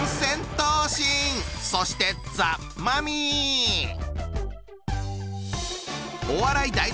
そしてお笑い